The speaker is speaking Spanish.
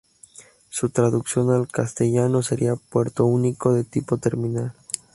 Su traducción al castellano sería: Puerto único de tipo terminal.